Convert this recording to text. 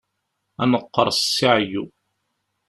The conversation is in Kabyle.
Ad neqqerṣ si ɛeggu.